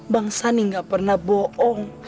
bang sandi gak pernah bohong